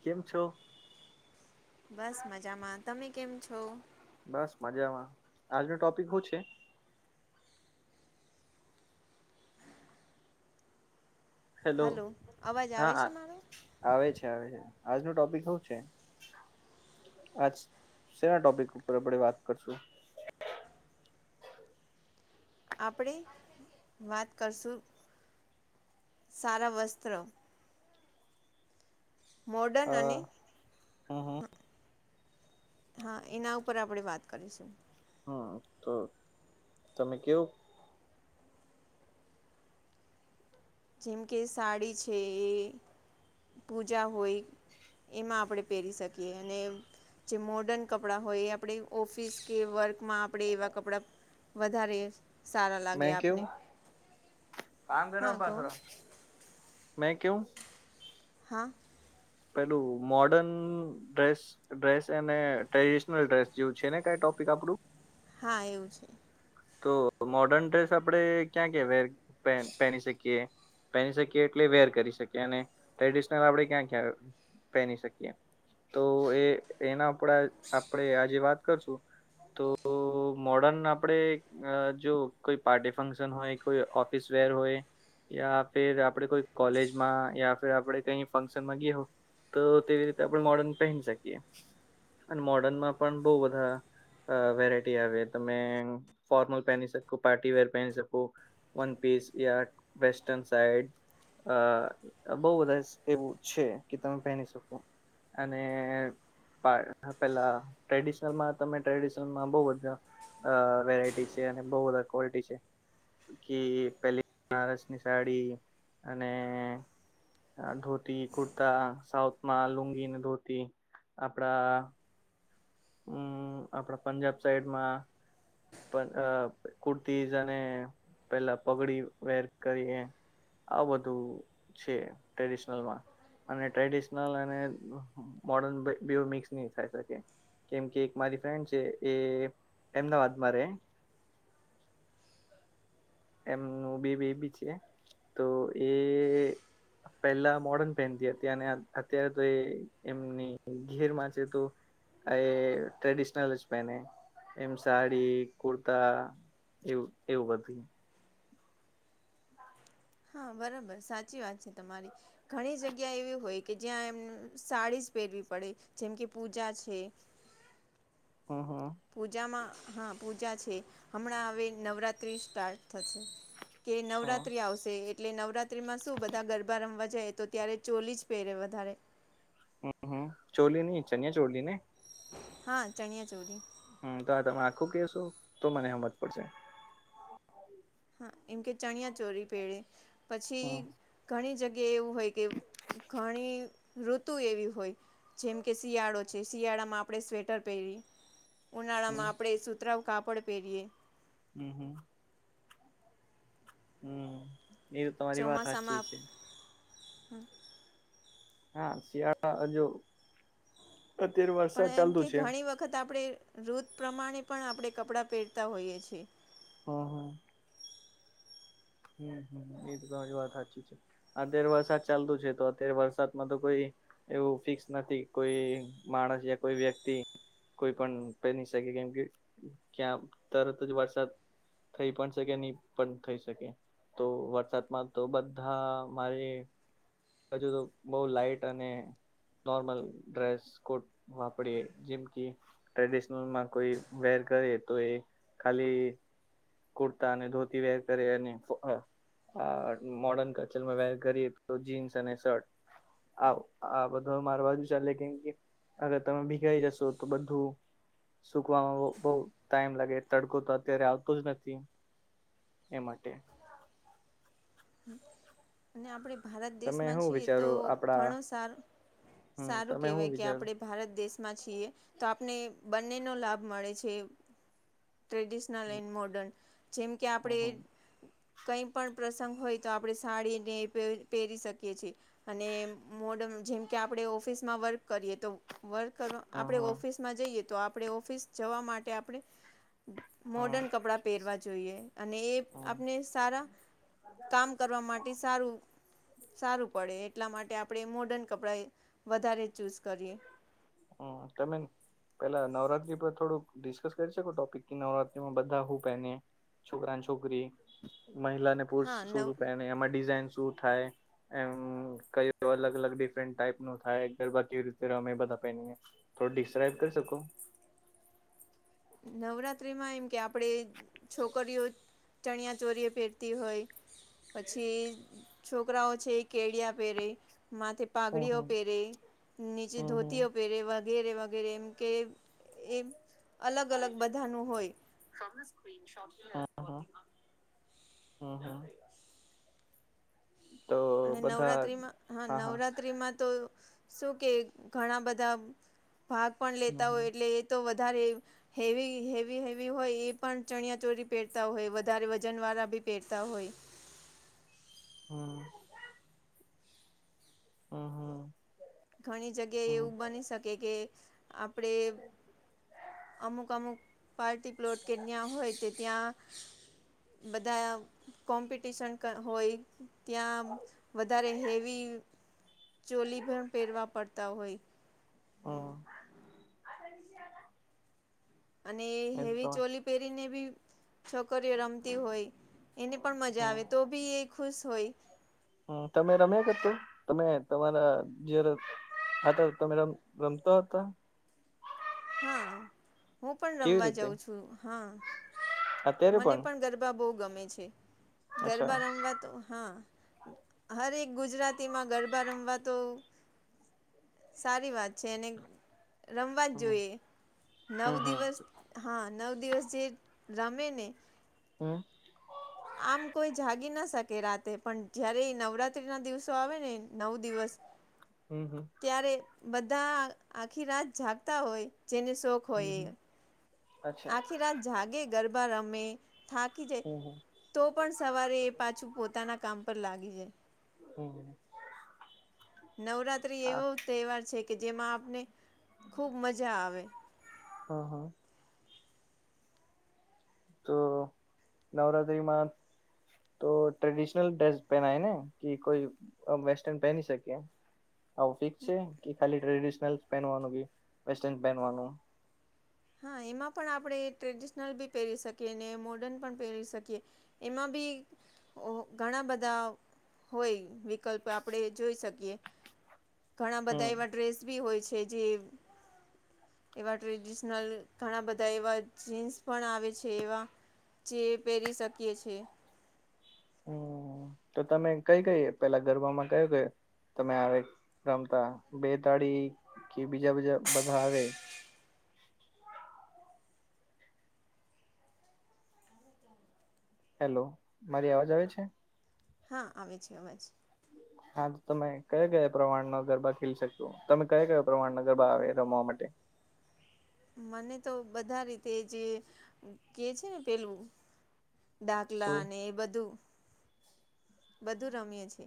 કેમ છો? બસ મજામાં તમે કેમ છો? બસ મજામાં આજનો ટોપિક હું છે.? હેલો હલો અવાજ હા આવે હા છે મારો આવે છે આવે છે આજનું ટોપિક હું છે? આજ શેના ટોપિક ઉપર આપણે વાત કરશું? આપણે વાત કરશું સારા વસ્ત્ર. મોડન અને અહ હમ્મ હમ્મ હા એના ઉપર આપણેે વાત કરીશું. હમ્મ તો તમે કેવ. જેમ કે સાડી છે એ પૂજા હોય એમાં આપણે પહેરી શકીએ અને જે મોર્ડર્ન કપડાં હોય આપણે ઓફિસ કે વર્કમાં આપણે એવા કપડા વધારે સારા લાગ્યા મેં આપને. કેવું કામ કર હા કહો થોડા મે કેવ. હા પેલું મોર્ડન ડ્રેસ ડ્રેસ અને ટ્રેડિશનલ ડ્રેસ જેવું છે ને ક ટોપિક આપડું. હા એવું છે. તો મોર્ડર્ન ડ્રેસ આપણેે ક્યાં ક્યા વ પહેની શકીએ? પેરી શકીએ એટલે વેર કરી શકીએ અને ટ્રેડિશનલ આપણે ક્યાં ક્યાં પહેરી શકીએ? તો એ એના આપ આપણે આજે વાત કરશું તો મોર્ડન આપણેે અ જો કોઈ પાર્ટી ફંક્શન હોય કોઈ ઓફિસ વેર હોય યા ફીર આપડે કોઈ કોલેજમાં યા ફિર આપડે કઈ ફંક્શનમાં ગયા હો તો તેવી રીતે આપણે મોર્ડન પહેરી શકીએ અને મોર્ડનમાં પણ બહુ બધા અ વેરાયટી આવે તમે ફોર્મલ પહેની શકો પાર્ટીવેર પહેની શકો વનપીસ યા વેસ્ટન સાઈડ અ બઊ બધા [unintelligible] છે કે તમે પહેરી શકો અને પેલા ટ્રેડિશનલમાં તમે ટ્રેડિશનલમાં બઉ બધા અ વેરાયટી ટી છે ને બઉ બધા [unintelligible] કે પેલી બનારસની સાડી અને ધોતી કુર્તા સાઉથમાં લુંગીને ધોતી આપડા હમ આપણા પંજાબ સાઈડમાં પન કુર્તીઝ અને પેલા પગડી વેર કરીએ. આવુ બધું છે ટ્રેડિશનલમાં. અને ટ્રેડિશનલ અને મોર્ડન બે બેઉ મિક્સ નહી થાય શકે. કેમ કે એક મારી ફ્રેન્ડ છે એ એમના વાદમાં રે એમનું બે બેબી છે. તો એ પહેલા મોર્ડર્ન પહેનતી હતી, અને અત્યારે તો એ એમની ઘેરમાં છે તો એ ટ્રેડિશનલ જ પેને એમ સાડી, કુર્તા જેવું એવું બધું હા બરાબર સાચી વાત છે તમારી. ઘણી જગ્યા એવી હોય કે જ્યાં એમ સાડીઝ પહેરવી પડે. જેમ કે પૂજા છે. હહ પૂજામાં હા પૂજા છે હમણાં હવે નવરાત્રિ સ્ટાર્ટ થશે. કે હ નવરાત્રી આવશે એટલે નવરાત્રિમાં શું બધા ગરબા રમવા જાય એ તો ત્યારે ચોલી જ પહેરે વધારે. હમ હમ ચોલીની ચણ્યા ચોલી ને હા ચણિયાચોરી હમ તો આ તમે આખું કશો તો મને સમજ પડશે. હા એમ કે ચણિયા ચોરી પહેળે પછી હમ ઘણી જગ્યાએ એવું હોય કે ઘણી ઋતુ એવી હોય. જેમ કે શિયાળો છે, શિયાળામાં આપણે સ્વેટર પહેરી, હમ ઉનાળામાં આપણે સુતરાઉ કાપડ પહેરીએ હમ હમ હમ એ તો તમારી વાત સાચી ચોમાસામાં હ છે હા શિયાળા હજ અત્યારે વરસાદ ચાલતુ છે ખત આપણે ઋત પ્રમાણે પણ આપણે કપડાં પહેરતા હોઈએ છીએ. હ હ હમ એ તો તમારી વાત સાચી છે. અત્યારે વરસાદ ચાલતું છે, તો અત્યારે વરસાદમાં તો કોઈ એવું ફિક્સ નથી. કોઈ માણસ યા કોઈ વ્યક્તિ કોઈ પણ પેની શકે કેમ કે ક્યાં તરત જ વરસાદ થઈ પણ શકે, નહી પણ થઈ શકે. તો વરસાદમાં તો બધા મારે હજુ તો બઉ લાાઈટ અને નોર્મલ ડ્રેસકોડમાં આપડે જેમકે ટ્રેડિશનલમાં કોઈ વેર કરે તો એ ખાલી કુર્તા અને ધોતી વેર કરે અને આ મોર્ડન કલ્ચરમાં વેર કરીએ તો જીન્સ અને શર્ટ આવ આ બધો અમારા બાજુ ચાલે કેમ કે અગર તમે ભીગાઈ જશો તો બધું સુકવામાં બહુ ટાઈમ લાગે. તડકો તો અત્યારે આવતો જ નથી. એ માટે. હમ અને આપણે ભારત તમે દેશમાં શું છીએ તો વિચારો આપડા ઘણો સાર હમ સારું તમે શું કહેવાય કે વિચારો આપણે ભારત દેશમાં છીએ તો આપને બંનેનો લાભ મળે છે. Traditional and modern. જેમ કે હ આપડે હ કઈ પણ પ્રસ સંગ હોય તો આપડે સાડી ને એ પહેરી શકીએ છીએ. અને મોડમ જેમ કે આપણે ઓફિસમાં વર્ક કરીએ તો. વર્ક કરવા હ આપણે હ ઓફિસમાં જઈએ તો આપણે ઓફિસ જવા માટે આપણે હ મોર્ડન કપડાં પહેરવા જોઈએ. અને એ હ આપને સારા કામ કરવા માટે સારું. સારું પડે એટલા માટે આપણે મોર્ડન કપડાં વધારે ચૂઝ કરીએ. હમ તમે પેલા નવરાત્રી પર થોડુંક ડિસ્કસ કરી શકો ટોપિક કે નવરાત્રીમાં બધા હું પેને? છોકરાને, છોકરી. મહિલાને પુરુષ હા શું નવ શું પહેને એમાં ડિઝાઇન શું થાય? એમ કયું અલગ અલગ ડિફરન્ટ ટાઈપનું થાય, ગરબા કેવી રીતે રમે બધા રમે ને થોડું ડિસ્ક્રાઈબ કરી શકો? નવરાત્રીમાં એમ કે આપણેે છોકરીઓ ચણિયા ચોરીએ પહેરતી હોય. પછી છોકરાઓ છે એ કેળિયા પહેરે, માથે હમ પાઘડીઓ પેરે, નીચે હમ હમ ધોતીઓ પેરે વગેરે વગેરે એમ કે એમ અલગ અલગ બધાનું હોય. [inaudible] હમ હમ તો અને બધા નવરાત્રીમાં હા નવરાત્ર ત્રીમાં તો શું કે ઘણા બધા ભાગ પણ હમ લેતા હોય. હમ એટલે તો વધારે હેવી હેવી હેવી હોય એ પણ ચણિયાચોરી પહેરતા હોય, વધારે વજન વાળા ભી પહેરતા હોય. હમ હમ હમ ઘણી જગ્યાએ એવું બની શકે કે આપણે અમુક અમુક પાર્ટી પ્લોટ કે ન્યા હોય તે ત્યાં બધા કોમ્પિટિશન કા હોય. ત્યાં વધારે હેવી ચોલી પણ પહેરવા પડતા હોય. હહ અને એ હેવી ચોલી પહેરીને બી છોકરીઓ રમતી હોય. એને પણ મજા હમ આવે. તો ભી એ ખુશ હોય. હ તમે રમ્યા કર તે? તમે તમારા જે હા તો તમે રમ રમતા હતા? હા હું પણ કેવી રમવા રીતે જઉં છું. હા મને પણ ગરબ બા બહુ ગમે છે. અચ્છા ગરબા રમવા તો હા. હરેક ગુજરાતીમાં ગરબા રમવા તો સારી વાત છે. અને રમવા જ હમ જોઈએ. નવ હમ હમ દિવસ હા નવ દિવસ જે રમે ને હમ આમ કોઈ જાગી ના શકે રાતે. પણ જયારે એ નવરાત્રીના દિવસો આવે ને નવ દિવસ હમ હમ ત્યારે બધા આખી રાત જાગતા હોય, જેને શોખ હમ હોય એ. હમ અચ્છા આખી રાત જાગે ગરબા રમે થાકી જાય હમ હમ તો પણ સવારે એ પાછું પોતાના કામ પર લાગી જાય. હમ નવરાત્રી આ એવો તહેવાર છે કે જેમાં આપને ખૂબ મજા આવે. હા હા. તો નવરાત્રિમાં તો ટ્રેડિશનલ ડ્રેસ પહેનાય ને કે કોઈ વેસ્ટર્ન પહેન શકે? આવું ફિક્સ છે કે ખાલી ટ્રેડિશનલ પહેવાનું કે વસ્ટન પહેવાનું. હા એમાં પણ આપણે ટ્રેડિશનલ બી પહેરી શકીએ ને મોર્ડર્ન પણ પહેરી શકીએ. એમાં બી ઘણા બધા હોય વિકલ્પ આપણેે જોઈ શકીએ. ઘણા હમ બધા એવા ડ્રેસ બી હોય છે જે એવા ડ્રે ઘણા બધા એવા જીન્સ પણ આવે છે એવા. જે પહેરી શકીએ છીએ. હમ તો તમે કઈ કઈ પેલા ગરબામાં કયો કયો. તમે આવે રમતા બે તાળી કે બીજા બીજા બધા આવે. હેલો મારી અવાજ આવે છે. હા આવે છે અવાજ. હા તો તમે કયા કયા પ્રમાણના ગરબા ખેલી શકશો તમે કયા કયા પ્રમાણના ગરબા આવે રમવા માટે? મને તો બધા રીતે જે કે છે ને પેલું શું દાખલા ને‌ એ બધું, બધું રમીએ છે.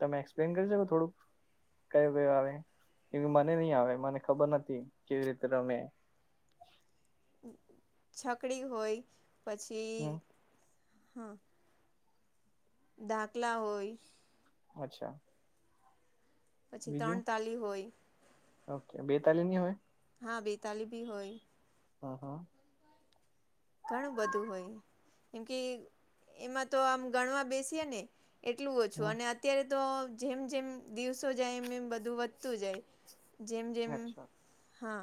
તમે એક્સપ્લેન કરી શકો થોડુંક. કયો કયો આવે એવી મને નહ આવે મને ખબર નથી કેવી રીતે રમે. છકડી હોય હમ પછી હા. દાખલા હોય. અચ્છા! પછી ત્રણ બીજું તાલી હોય. ઓકે બે તાલી ની હોય. હા બે તાલી ભી હોય. હમ હમ. ઘણું બધું હોય કેમ કે એમાં તો આમ ગણવા બેસીએ ને. એટલું હ ઓછું અને હ અત્યારે તો જેમ જેમ દિવસો જાય એમ એમ બધું વધતું જાય. જેમ જેમ અચ્છા હા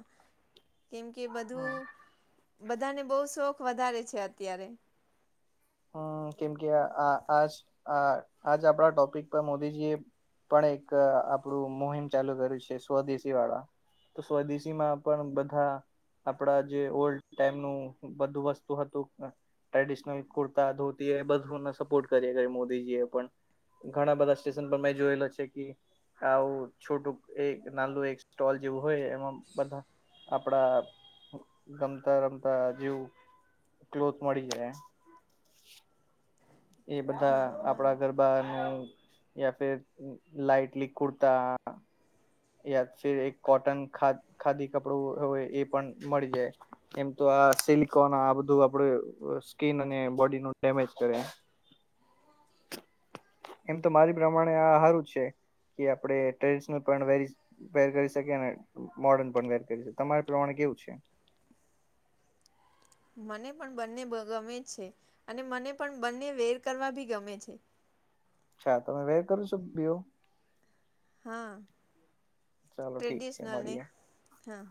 કેમ કે બધું! બધાને બો શોખ વધારે છે અત્યારે. હમ કેમ કે આજ આજ આપણા ટોપિક પર મોદીજીએ. પણ એક આપણું મોહિમ ચાલુ કર્યું છે સ્વદેશી વાળા. એ સ્વદેશીમાં પણ બધા. આપડા જે ઓલ્ડ ટાઈમ નું બધું વસ્તુ હતું ટ્રેડિશનલ. તા ધોતી એ બધુંને સપોર્ટ કરીએ મોદીજી એ પણ. ઘણા બધા સ્ટેશન પર મેં જોયેલા છે કે આવું છોટું એક નું એક સ્ટોલ જેવું હોય એમાં બધા. આપડા ગમતા રમતા જેવ ક્લોથ મળી જાય. એ બધા હા આપણા ગર. મને બા નું યા ફેર લઇટલી કુરતા. યા એક કોટના ખા ખાદી કપડું હોય એ પણ મળી જાય છે. એમ તો આ સિલિકોન આ બધું આપડ સ્કીિન અને બોડી નું ડેમેજ કરે. એમ તો મારી પ્રમાણે આ હારું છે. કે આપણે ટ્રેડિશનલ પણ વ વેર કરી શકીએ ને. મોડન પણ વેર કરી છે તમારે પ્રમાણે કેવું છે? મને પણ બંને ગમે છે અને મને પણ બંને વેર કરવા બી ગમે છે. અચ્છા તમે વેર કરું છો બેવ? હા ચાલો ઠીક ટ્રેડિશનલ ને હા.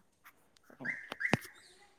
હ [inaudible] [unintelligible]